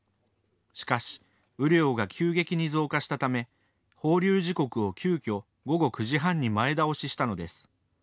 しかし雨量が急激に増加したため放流時刻を急きょ午後９時半に前倒ししたのです。